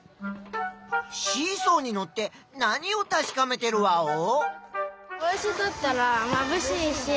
シーソーにのって何をたしかめてるワオ？